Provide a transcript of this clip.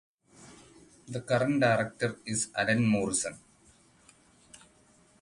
The current Director is Allen Morrison.